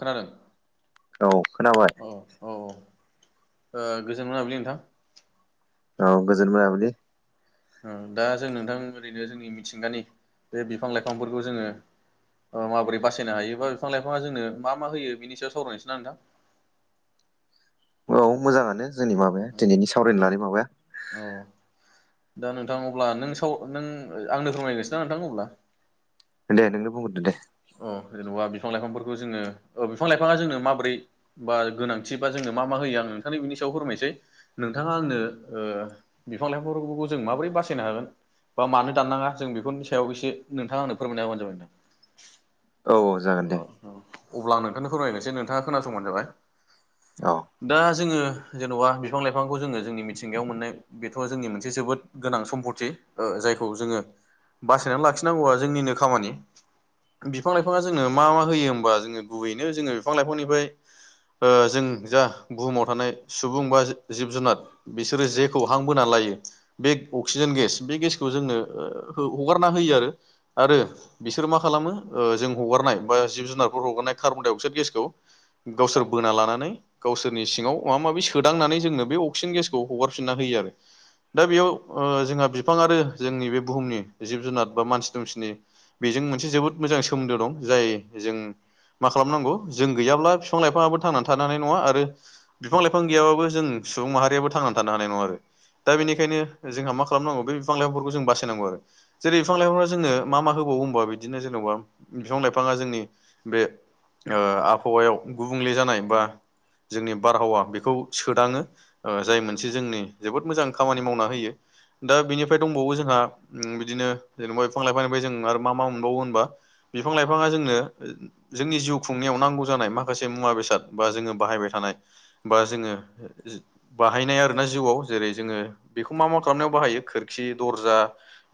खोनादों औ खोनाबाय औ औ औ गोजोन मोनाबिलि नोंथां औ गोजोन मोनाबिलि दा जों नोंथां ओरैनो जोंनि मिथिंगानि बे बिफां लाइफांफोरखौ जोङो अ माबोरै बासायनो हायोबा बिफां लाइफाङा जोंनो मा मा होयो बिनि सायाव सावरायनोसै ना नोंथां औ मोजाङानो जोंनि माबाया दिनैनि सावरायनो लानाय माबाया औ दा नोंथां अब्ला नों साव नों आंनो फोरमायग्रोनोसै ना नोंथां अब्ला दे नोंनो बुंग्रोदो दे अ जेनेबा बिफां लाइफांफोरखौ जोङो अ बिफां लाइफाङा जोंनो माबोरै बा गोनांथि बा जोंनो मा मा होयो आं नोंथांनो बिनि सायाव फोरमायनोसै नोंथाङा आंनो बिफां लाइफांफोरखौ जों माबोरै बासायनो हागोन बा मानो दाननाङा जों बेफोरनि सायाव एसे नोंथाङा आंनो फोरमायना होबानो जाबाय दे औ जागोन दे अब्ला आं नोंथांनो फोरमायनोसै नोंथाङा खोनासंबानो जाबाय औ दा जोङो जेन'बा बिफां लाइफांखौ जोङो जोंनि मिथिंगायाव मोननाय बेथ' जोंनि मोनसे जोबोद गोनां सम्पथि जायखौ जोङो बासायनानै लाखिनांगौआ जोंनिनो खामानि बिफां लाइफाङा जोंनो मा मा होयो होमबा जोङो गुबैनो जोङो बिफां लाइफांनिफ्राय जों जा बुहुमाव थानाय सुबुं बा जिब जुनार बिसोरो जे हां बोना लायो बे अक्सिजेन गेस बे गेसखौ जोंनो हगारना होयो आरो आरो बिसोरो मा खालामो जों हगारनाय बा जिब जुनारफोर हगारनाय कार्बन दडाइ अक्साइद गेसखौ गावसोर बोना लानानै गावसोरनि सिङाव माबा माबि सोदांनानै जोंनो बे अक्सिजेन गेसखौ हगारफिनना होयो आरो। दा बेयाव जोंहा बिफां आरो जोंनि बे बुहुमनि जिब जुनार बा मानसि दुमसिनि बेजों मोनसे जोबोद मोजां सोमोन्दो दं जाय जों मा खालामनांगौ जों गैयाब्ला बिफां लाइफाङाबो थांनानै थानानै नङा आरो बिफां लाइफां गैयाबाबो जों सुबुं माहारियाबो थांनानै थानो हानाय नङा आरो। दा बेनिखायनो जोंहा मा खालामनांगौ बे बिफां लाइफांफोरखौ जों बासायनांगौ आरो। जेरै बिफां लाइफांफ्रा जोंनो मा मा होबावो होनोमबा बिदिनो जेन'बा बिफां लाइफाङा जोंनि बे आबहावायाव गुबुंले जानाय बा जोंनि बारहावा बेखौ सोदाङो। ओ जाय मोनसे जोंनि जोबोद मोजां खामानि मावना होयो। दा बिनिफ्राय दंबावो जोंहा बिदिनो जेनेबा बिफां लाइफांनिफ्राय जों आरो मा मा मोनबावो होनबा। बिफां लाइफाङा जोंनो जोंनि जिउ खुंनायाव नांगौ जानाय माखासे मुवा बेसाद बा जोङो बाहायबाय थानाय बा जोङो बाहायनाय आरो ना जिउआव जेरै जोङो बेखौ मा मा खालामनायाव बाहायो खोरखि दरजा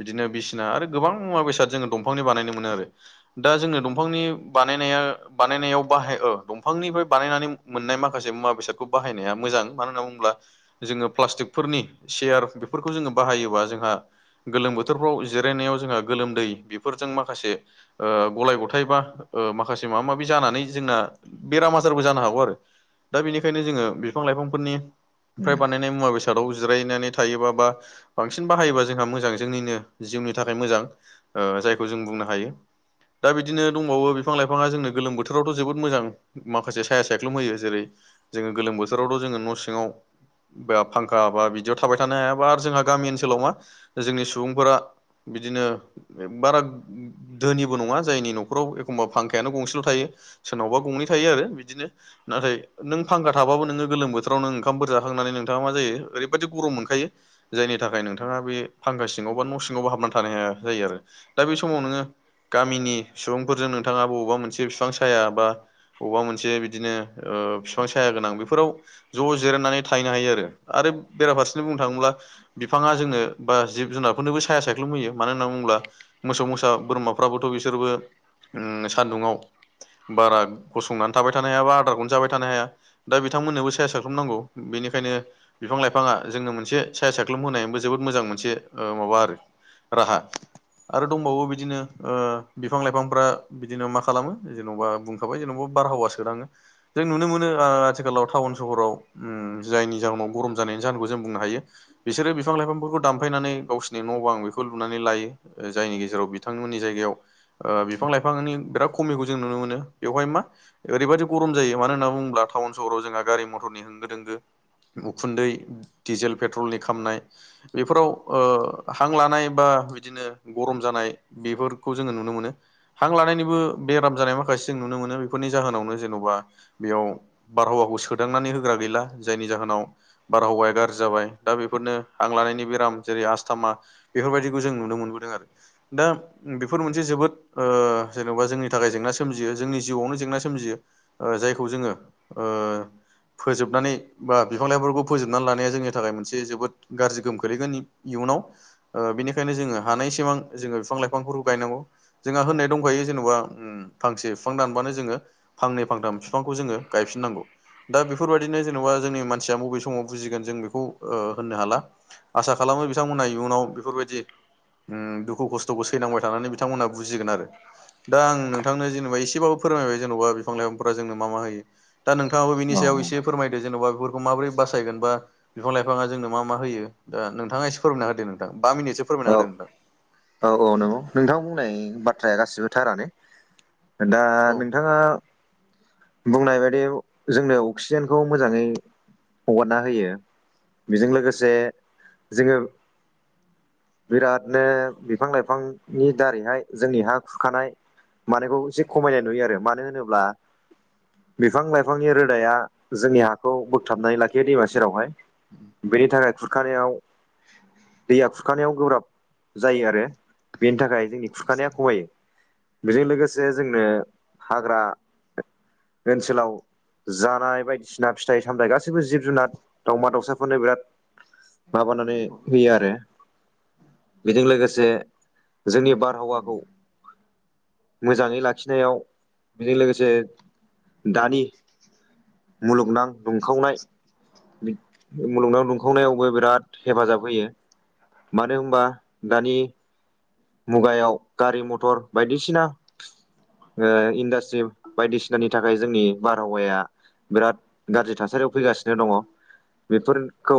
बिदिनो बिसिना आरो गोबां मुवा बेसाद जोङो दंफांनि बानायनो मोनो आरो। दा जोंनो दंफांनि बानायनाया बानायनायाव बाहाय दंफांनिफ्राय बानायनानै मोननाय माखासे मुवा बेसादखौ बाहायनाया मोजां मानो होनना बुङोब्ला जोङो प्लास्टिकफोरनि सेयार बेफोरखौ जोङो बाहायोबा जोंहा गोलोम बोथोरफ्राव जिरायनायाव जोंहा गोलोमदै बेफोरजों माखासे ओ गलाय गथायाइ बा माखासे माबा माबि जानानै जोंना बेराम आजारबो जानो हागौ आरो। दा बेनिखायनो जोङो बिफां लाइफांफोरनि बानाय मे मुवा बेसादाव जिरायनानै थायोबा बा बांसिन बाहायोबा जोंहा मोजां जोंनिनो जिउनि थाखाय मोजां ओ जायखौ जों बुंनो हायो दा बिदिनो दंबावो बिफां लाइफाङा जोंनो गोलोम बोथोरावथ' जोबोद मोजां माखासे साया सायख्लुम होयो जेरै जोङो गोलोम बोथोरावथ' जोङो न' सिङाव फांखा बा बिदियाव थाबाय थानो हायाबा आरो जोंहा गामि ओनसोलाव मा जोंनि सुबुंफोरा बिदिनो बारा ोनिबो नङा जायनि न'खराव एखमबा फांखायानो गंसेल' थायो सोरनावबा गंनै थायो आरो बिदिनो। नाथाय नों फांखाा थाब नोङ गोोम बोथोरावनोों ओंखामफोर जाखांनानै नोंथाङा मा जायो ओरैबायदि गरम मोनखायो। जायनि थाखाय नोंथाङा बे फांखा सिङाव बा न' सिङावबो हाबनानै थानो हाया जायो आरो दा बे समाव नोङो गामिनि सुबुंफोरजों नोंथाङा बबावबा मोनसे बिफां साया बा बबेबा मोनसे बिदिनो बिफां साया गोनां बेफोराव ज' जिरायनानै थाहैनो हायो आरो आरो बेराफारसेनो बुंनो थाङोब्ला बिफाङा जोङो बा जिब जुनारफोरनोबो साया सायख्लुमुयो मानो होननानै बुङोब्ला मोसौ मोसा बोरमा फाबोथ' बिसोरबो सान्दुङाव बारा गसंनानै थाबाय थानो हाया बा आदारखौनो जाबाय थानो हाया। दा बिथांमोननोबो सायासा खालामनांगौ बेनिखायनो बिफां लाइफाङा जोंनो मोनसे साया सायख्लुम होनायबो जोबोद मोजां मोनसे ओ माबा आरो राहा आरो दंबावो बिदिनो। ओ बिफां लाइफांफ्रा बिदिनो मा खालामो जेनेबा बुंखाबाय जेनेबा बारहावा सोनाङो जों नुनो मोनो ओ आथिखालाव टाउन सहराव जायनि जाहोनाव गरम जानायनि जाहोनखौ जों बुंनो हायो। बिसोरो बिफां लाइफांफोरखौ दानफायनानै गावसोरनि न' बां बेखौ लुनानै लायो जायनि गेजेराव बिथांमोननि जायगायाव ओ बिफां लाइफां बिराद खमिखौ जों नुनो मोनो बेवहाय मा? ओरैबायाद गरम जायो मानो होनना बुङोब्ला टाउन सहराव जोंहा गारि मथरनि होंगो दोंगो उखुन्दै डिजेल पेट्रलनि खामनाय बेफोराव हां लानाय बा बिदिनो गरम जानाय बेफोर खौ जोङो नुनो मोनो। हां लानायनिबो बेराम जानाय माखासे जों नुनो मोनो बेफोरनि जाहोनावनो जेन'बा बेयाव बारहावाखौ सोदांनानै होग्रा गैला जायनि जाहोनाव बारहावाया गाज्रि जाबाय दा बेफोरनो आं लानायनि बेराम जेरै आसस्थामा बेफोरबायदिखौ जों नुनो मोनबोदों आरो दा बेफोर मोनसे जोबोद जेन'बा जोंनि थाखाय जेंना सोमजियो जोंनि जिउआवनो जेंना सोमजियो जायखौ जोङो फोजोबनानै बा बिफां लाइफोरखौ फोजोबनानै लानाया जोंनि थाखाय मोनसे जोबोद गाज्रि गोमोम खो्लैगोन इयुनाव बेनिखायनो जोङो हानाय सिमां जोङो बिफां लाइफां बिफांफोरखौ गायनांगौ जोंहा होननाय दंखायो जेन'बा फांसे बिफां दानबानो जोङो फांनै फांथाम बिफांखौ जोङो गायफिननांगौ दा बेफोरबायदिनो जेनेबा जोंनि मानसिया बबे समाव बुजिगोन जों बेखौ होननो हाला आसा खालामो बिथांमोनहा इयुनाव बेफोरबायदि दुखु खस्थ' सैांबाय थानानै बिथांमोनहा बुजिगोन आरो दा आं नोंथांनो जेनेबा एसेबाबो फोरमायबाय जेन'बा बिफां लाइफांफ्रा जोंनो मा मा होयो दा नोंथाङाबो बिनि औ सायाव एसे फोरमायदो जेन'बा बेफोरखौ माबोरै बासायगोन बा बिफां लाइफाङा जोंनो मा मा होयो दा नोंथाङा एसे फोरमायना होदो नोंथां बा मिनिटसो औ फोरमायना होदो नोंथां औ औ नंगौ नोंथां बुंनाय बाथ्राया गासिबोथारानो दा नोंथाङा बुंनाय बायदि जोंनो अक्सिजेनखौ मोजाङै हगारना होयो बेजों लोगोसे जोङो बिरादनो बिफां लाइफांनि दारैहाय जोंनिहाा खुरखानाय मानायखौ एसे खमायनाय नुयो आरो मानो होनोब्ला बिफां लाइफांनि रोदाया जोंनि हाखौ बोगथाबनानै लाखियो दैमा सेरावहाय बेनि थाखाय खुरखानायाव दैया खुरखानायाव गोब्राब जायो आरो बेनि थाखाय जोंनि खुरखानाया खमायो बेजों लोगोसे जोंनो हाग्रा बे ओनसोलाव जानाय बायदिसिना फिथाइ सामथायाइ गासैबो जिब जुनार दावमा दाउसाफोरनो बिराद माबानानै होयो आरो बेजों लोगोसे जोंनि बारहावाखौ मोजाङै लाखिनायाव बेजों लोगोसे दानि मुलुगनां दुंखावनाय मुलुगनाव दुंखावनायावबो बिराद हेफाजाब होयो मानो होनबा दानि मुगायाव गारि मथर बायदिसिना इडासट्रि बायदिसिनानि थाखाय जोंनि बारहावाया बिराद गाज्रि थासारियाव फैगासिनो दङ बेफोरखौ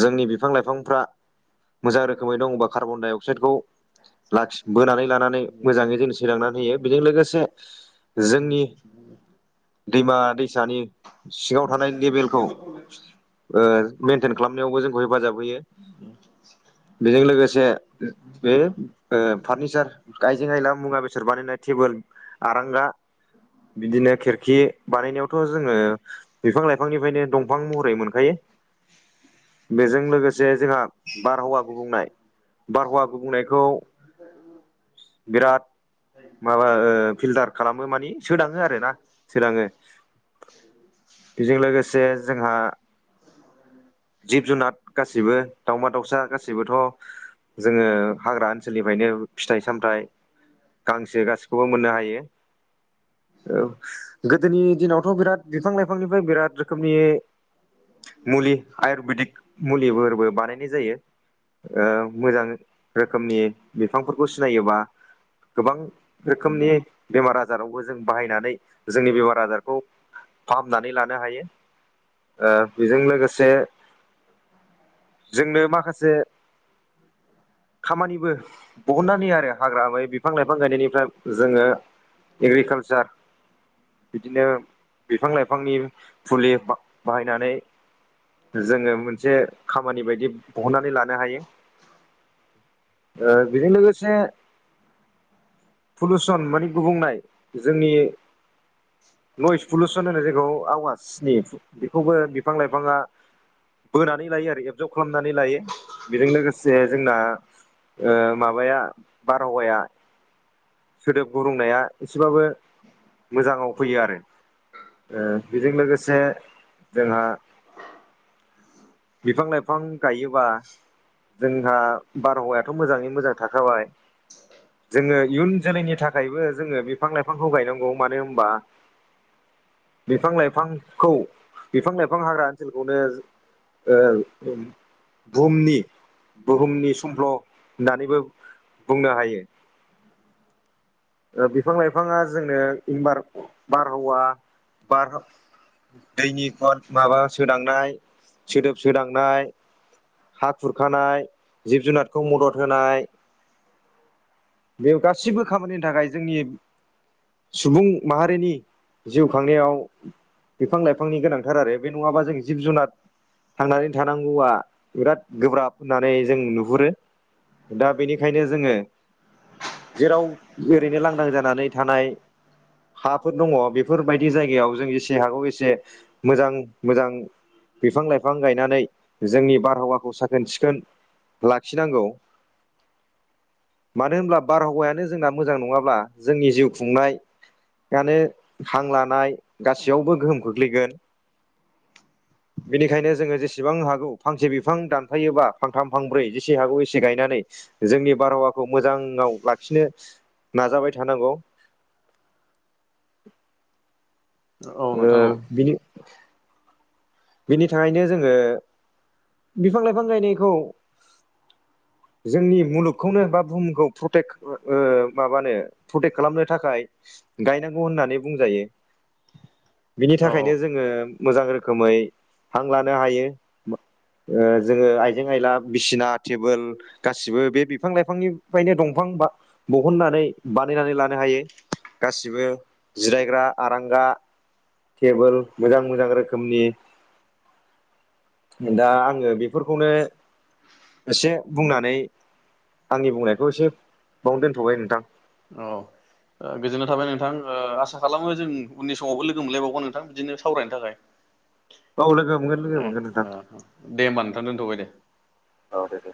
जोंनि बिफां लाइफांफ्रा मोजां रोखोमै दङबाार्न डाइ अक्साइडखौ लाखि बोनानै लानानै मोजाङै जों सैलांनानै होयो बेजों लोगोसे जोंनि दैमा दैसानि सिङाव थानाय लेबेलखौ मेनटेन खालामनायावबो जोंखौ हेफाजाब होयो द बेजों लोगोसे बे फार्निचार आइजें आइला मुवा बेसर बानायनाय टेबोल आरांगा बिदिनो खिरखि बानायनायावथ' जोङो बिफां लाइफांनिफ्रायनो दंफां महरै मोनखायो बेजों लोगोसे जोंहा बारहावा गुबुंनाय बारहावा गुबुंनायखौ बिराद माबा फिल्टार खालामो मानि सोदाङो आरोोना सोदाङो बेजों लोगोसे जोंहा जिब जुनार गासिबो दाावमा दाउसा गासैबोथ' जोङो हाग्रा ओनसोलनिफ्रायनो फिथाइ सामथाइ गांसो गासिखौबो मोननो हायो औ गोदोनि दिनावथ' बिराद बिफां लाइफांनिफ्राय बिराद रोखोमनि मुलि आयुरवेदिक मुलिफोरबो बानायनाय जायो। मोजां रोखोमनि बिफांफोरखौ सिनायोबा गोबां रोखोमनि बेमार आजारावबो जों बाहायनानै जोंनि बेमार आजारखौ फाहामनानै लानो हायो बेजों लोगोसे जोंनो माखासे खामानिबो बहननानै होयो आरो हाग्रामै बिफां लाइफां गायनायनिफ्राय जोङो एग्रिकालचार बिदिनो बिफां लाइफांनि फुलि बाहायनानै जोङो मोनसे खामानि बायदि बहननानै लानो हायो बेजों लोगोसे पलुसन माने गुबुंनाय जोंनि नयस पलुसन होनो जोंखौ आवाजनि बेखौबो बिफां लाइफाङा बोनानै लायो आरो एबजर्ब खालामनानै लायो बेजों लोगोसे जोंना माबाया बारहावाया सोदोब गुरुंनाया एसेबाबो मोजाङाव फैयो आरो बेजों लोगोसे जोंहा बिफां लाइफां गायोबा जोंहा बारहावायाथ' मोजाङै मोजां थाखाबाय जोङो इयुन जोलैनि थाखायबो जोङो बिफां लाइफांखौ गायनांगौ मानो होनबा। बिफां लाइफांखौ बिफां लाइफां हाग्रा ओनसोलखौनो [unintelligible] बुहुमनि बुहुमनि समफ्ल' होननानैबो बुंनो हायो बिफां लाइफाङा जोंनो बारहावा बार दैनि खल माबा सोदांनाय सोदोब सोदांनाय हा खुरखानाय जिब जुनारखौ मदद होनाय बे गाससिबो खामानिनि थाखाय जोंनि सुबुं माहारिनि जिउ खांनायाव बिफां लाइफांनि गोनांथार आरो बे नङाबा जों जिब जुनार थांनानै थानांगौआ बिराद गोब्राब होननानै जों नुहुरो। दा बेनिखायनो जोङो जेराव ओरैनो लांदां जानानै थानाय। हाफोर दङ बेफोरबायदि जायगायाव जों एसे हाखौ एसे मोजां मोजां। बिफां लाइफां गायनानै जोंनि बारहावाखौ साखोन सिखोन लाखिनांगौ मानो होनब्ला बारहावायानो जोंना मोजां नङाब्ला जोंनि जिउ खुंनाय नोे हां लानाय गाैयावबो गोहोम खोख्लैगोन [inaudible] बेनिखायनो जोङो जेसेबां हागौ फांसे बिफां दानफायोबा फांथाम फांब्रै जेसे हागौ एसे गायनानै जोंनि बारहावाखौ मोजाङाव लाखिनो नाजाबाय थानांगौ औ नोंथां औ बिनो बिनि थाखायनो जोङो बिफां लाइफां गायनायखौ [inaudible] जोंनि मुलुगखौनो बा बुहुमखौ प्रटेक्ट माबानो प्रटेक्ट खालामनो थाखाय गायनांगौ होननानै बुंजायो [inaudible] बिनि थाखायनो जोङो मोजां रोखोमै हां लानो हायो जोङो आइजें आयला बिसिना टेबोल गासिबो बे बिफां लाइफांनिफ्रायनो दंफां दिहननानै बानायनानै लानो हायो। गासिबो जिरायग्रा आरांगा टेबोल मोजां मोजां रोखोमनि दा आङो बेफोरखौनो एसे बुंनानै आंनि बुंनायखौ एसे बावनो दोनथ'बाय नोंथां। औ गोजोन्नाय थाबाय नोंथां आसा खालामो जों उननि समावबो लोगो मोनलायबावगोन नोंथां बिदिनो सावरायनो थाखाय। [inaudible] बाव लोगो मोनगोन लोगो मोनगोन नोंथां। दे होनोमबा नोंथां दोनथबाय दे। औ दे दे